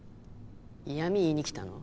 嫌み言いに来たの？